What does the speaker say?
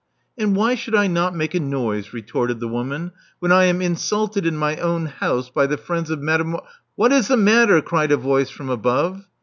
*'And why should I not make a noise," retorted the woman, when I am insulted in my own house by the friends of Mademoi " What is the matter?" cried a voice from above.